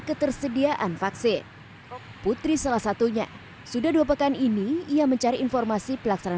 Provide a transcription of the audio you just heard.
ketersediaan vaksin putri salah satunya sudah dua pekan ini ia mencari informasi pelaksanaan